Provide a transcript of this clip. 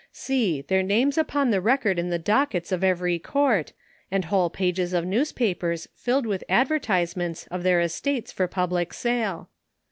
See ! their names upon record in the dockets of every court, and whole pages of newspapers filled with advertisements of their estates for public sale.